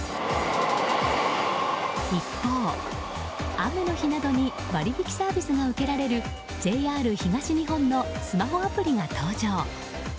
一方、雨の日などに割引サービスが受けられるＪＲ東日本のスマホアプリが登場。